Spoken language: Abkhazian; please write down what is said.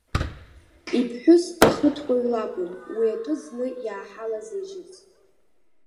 Иԥҳәыс ахыҭкәаҩ лакәын уи атәы зны иааҳалазыжьыз.